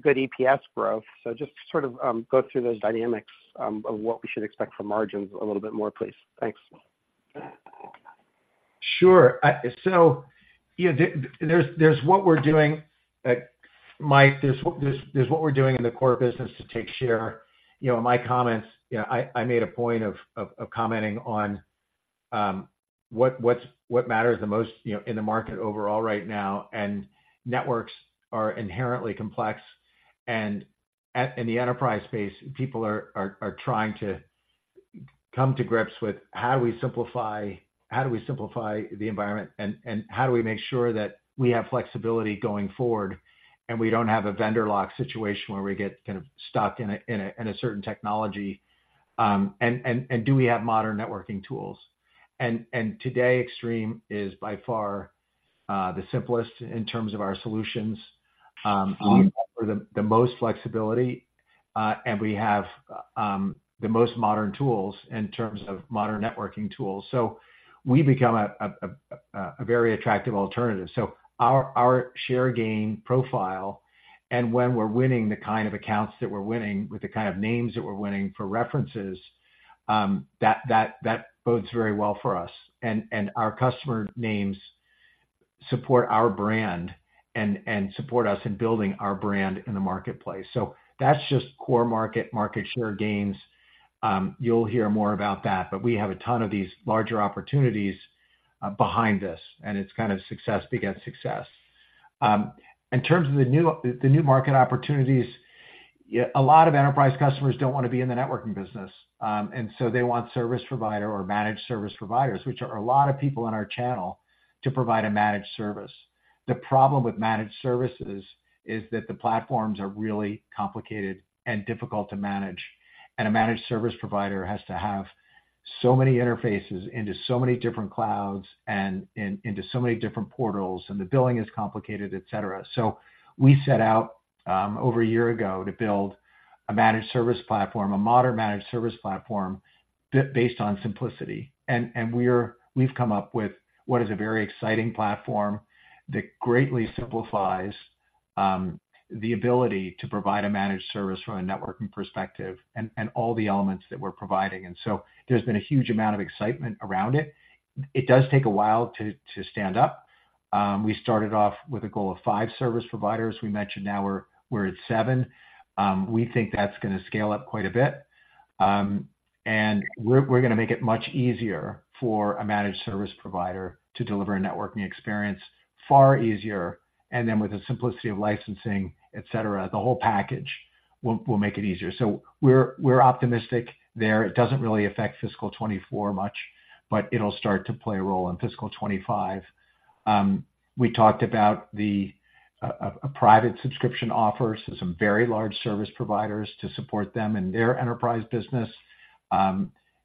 [SPEAKER 12] good EPS growth. So just sort of go through those dynamics of what we should expect from margins a little bit more, please. Thanks.
[SPEAKER 3] Sure. So, you know, there's what we're doing, Mike, in the core business to take share. You know, in my comments, you know, I made a point of commenting on what matters the most, you know, in the market overall right now, and networks are inherently complex. In the enterprise space, people are trying to come to grips with: How do we simplify? How do we simplify the environment, and how do we make sure that we have flexibility going forward, and we don't have a vendor lock situation where we get kind of stuck in a certain technology? Do we have modern networking tools? Today, Extreme is by far the simplest in terms of our solutions. We offer the most flexibility, and we have the most modern tools in terms of modern networking tools. So we've become a very attractive alternative. So our share gain profile, and when we're winning the kind of accounts that we're winning, with the kind of names that we're winning for references, that bodes very well for us. And our customer names support our brand and support us in building our brand in the marketplace. So that's just core market share gains. You'll hear more about that, but we have a ton of these larger opportunities behind this, and it's kind of success begets success. In terms of the new market opportunities, a lot of enterprise customers don't want to be in the networking business, and so they want service provider or managed service providers, which are a lot of people in our channel, to provide a managed service. The problem with managed services is that the platforms are really complicated and difficult to manage, and a managed service provider has to have so many interfaces into so many different clouds and into so many different portals, and the billing is complicated, et cetera. So we set out, over a year ago to build a managed service platform, a modern managed service platform, based on simplicity. We've come up with what is a very exciting platform that greatly simplifies the ability to provide a managed service from a networking perspective and all the elements that we're providing. So there's been a huge amount of excitement around it. It does take a while to stand up. We started off with a goal of five service providers. We mentioned now we're at seven. We think that's gonna scale up quite a bit. And we're gonna make it much easier for a managed service provider to deliver a networking experience, far easier, and then with the simplicity of licensing, et cetera, the whole package will make it easier. So we're optimistic there. It doesn't really affect fiscal 2024 much, but it'll start to play a role in fiscal 2025. We talked about the private subscription offer, so some very large service providers to support them in their enterprise business.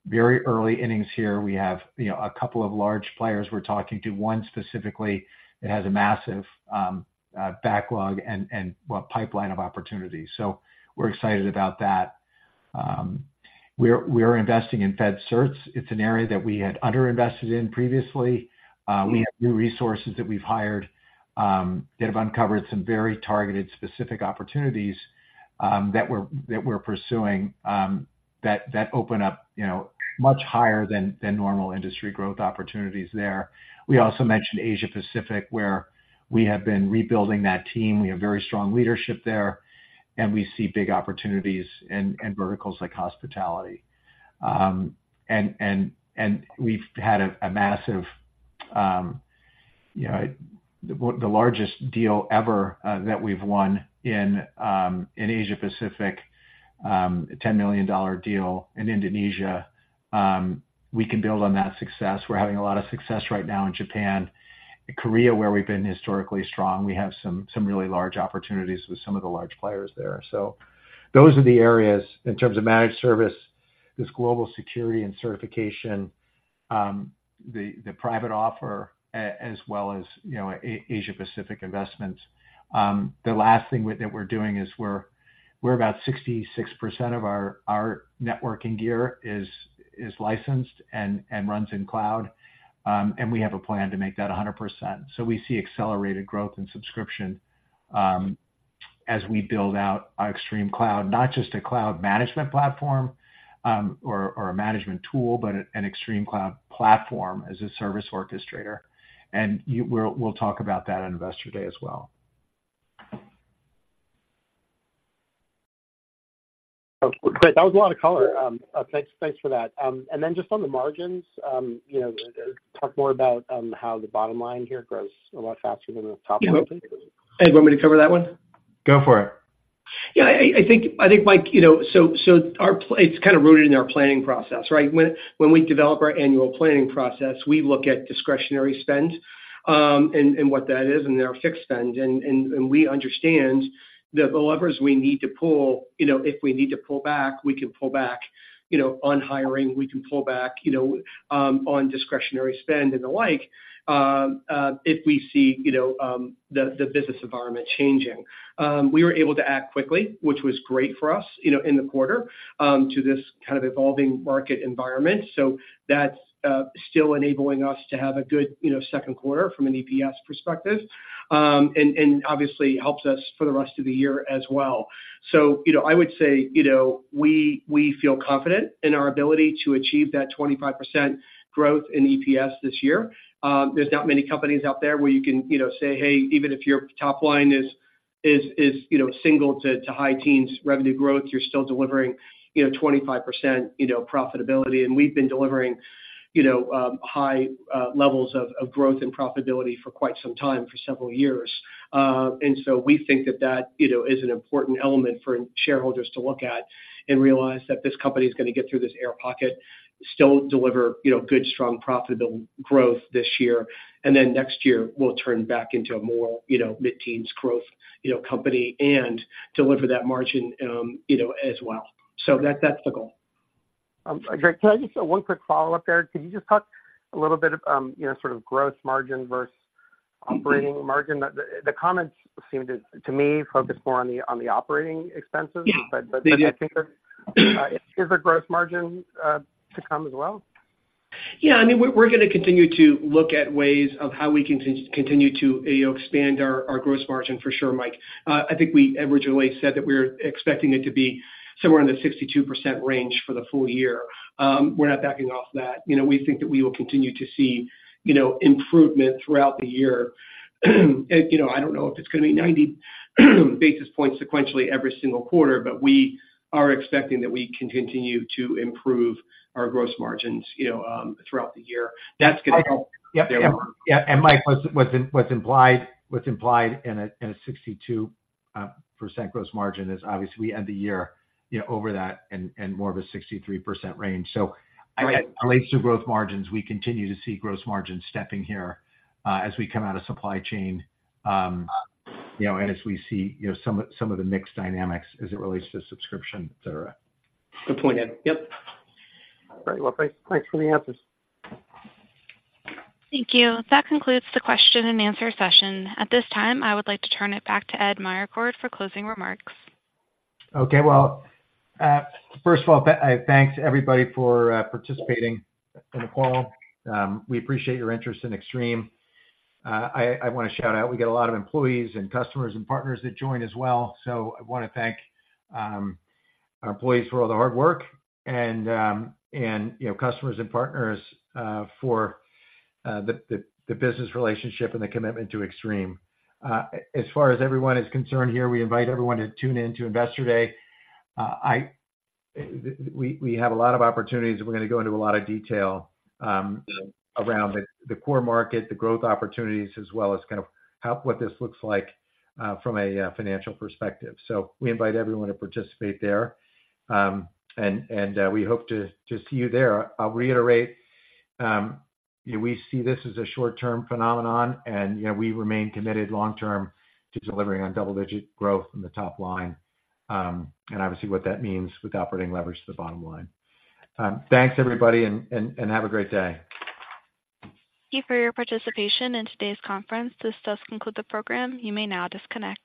[SPEAKER 3] Very early innings here. We have, you know, a couple of large players we're talking to. One specifically, it has a massive backlog and well, pipeline of opportunities. So we're excited about that. We're investing in Fed certs. It's an area that we had underinvested in previously. We have new resources that we've hired that have uncovered some very targeted, specific opportunities that we're pursuing that open up, you know, much higher than normal industry growth opportunities there. We also mentioned Asia Pacific, where we have been rebuilding that team. We have very strong leadership there, and we see big opportunities in verticals like hospitality. And we've had a massive, you know, the largest deal ever that we've won in Asia Pacific, a $10 million deal in Indonesia. We can build on that success. We're having a lot of success right now in Japan. In Korea, where we've been historically strong, we have some really large opportunities with some of the large players there. So those are the areas in terms of managed service, this global security and certification, the private offer, as well as, you know, Asia Pacific investments. The last thing that we're doing is we're about 66% of our networking gear is licensed and runs in cloud. And we have a plan to make that 100%. We see accelerated growth in subscription as we build out our ExtremeCloud, not just a cloud management platform, or a management tool, but an ExtremeCloud platform as a service orchestrator. We'll talk about that on Investor Day as well.
[SPEAKER 12] Okay, great. That was a lot of color. Thanks, thanks for that. And then just on the margins, you know, talk more about how the bottom line here grows a lot faster than the top line.
[SPEAKER 4] Yeah. Ed, you want me to cover that one?
[SPEAKER 3] Go for it.
[SPEAKER 4] Yeah, I think, Mike, you know, so it's kinda rooted in our planning process, right? When we develop our annual planning process, we look at discretionary spend and what that is, and there are fixed spend. And we understand that the levers we need to pull, you know, if we need to pull back, we can pull back, you know, on hiring. We can pull back, you know, on discretionary spend and the like, if we see, you know, the business environment changing. We were able to act quickly, which was great for us, you know, in the quarter, to this kind of evolving market environment. So that's still enabling us to have a good, you know, second quarter from an EPS perspective, and obviously helps us for the rest of the year as well. So, you know, I would say, you know, we feel confident in our ability to achieve that 25% growth in EPS this year. There's not many companies out there where you can, you know, say, "Hey, even if your top line is, you know, single- to high-teens revenue growth, you're still delivering, you know, 25% profitability," and we've been delivering, you know, high levels of growth and profitability for quite some time, for several years. and so we think that that, you know, is an important element for shareholders to look at and realize that this company is gonna get through this air pocket, still deliver, you know, good, strong, profitable growth this year. And then next year, we'll turn back into a more, you know, mid-teens growth, you know, company and deliver that margin, you know, as well. So that, that's the goal.
[SPEAKER 12] Great. Can I just... One quick follow-up there. Could you just talk a little bit about, you know, sort of gross margin versus operating margin? The comments seemed to me to focus more on the operating expenses.
[SPEAKER 4] Yeah.
[SPEAKER 12] But I think there is a gross margin to come as well?
[SPEAKER 4] Yeah, I mean, we're gonna continue to look at ways of how we can continue to, you know, expand our gross margin, for sure, Mike. I think we originally said that we're expecting it to be somewhere in the 62% range for the full-year. We're not backing off that. You know, we think that we will continue to see, you know, improvement throughout the year. And, you know, I don't know if it's gonna be 90 basis points sequentially every single quarter, but we are expecting that we can continue to improve our gross margins, you know, throughout the year. That's gonna help-
[SPEAKER 3] Yeah, and Mike, what's implied in a 62% gross margin is obviously, we end the year, you know, over that and more of a 63% range. So relates to gross margins, we continue to see gross margins stepping here, as we come out of supply chain, you know, and as we see, you know, some of the mix dynamics as it relates to subscription, et cetera.
[SPEAKER 4] Good point, Ed. Yep.
[SPEAKER 12] All right. Well, thanks, thanks for the answers.
[SPEAKER 1] Thank you. That concludes the question and answer session. At this time, I would like to turn it back to Ed Meyercord for closing remarks.
[SPEAKER 3] Okay. Well, first of all, thanks to everybody for participating in the call. We appreciate your interest in Extreme. I wanna shout out, we get a lot of employees and customers and partners that join as well. So I wanna thank our employees for all the hard work and, you know, customers and partners for the business relationship and the commitment to Extreme. As far as everyone is concerned here, we invite everyone to tune in to Investor Day. We have a lot of opportunities, and we're gonna go into a lot of detail around the core market, the growth opportunities, as well as kind of how what this looks like from a financial perspective. So we invite everyone to participate there. We hope to see you there. I'll reiterate, we see this as a short-term phenomenon, and, you know, we remain committed long term to delivering on double-digit growth in the top line, and obviously, what that means with operating leverage to the bottom line. Thanks, everybody, and have a great day.
[SPEAKER 1] Thank you for your participation in today's conference. This does conclude the program. You may now disconnect.